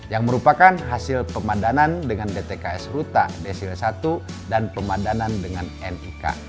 yang merupakan hasil pemadanan dengan dtks ruta desil satu dan pemadanan dengan nik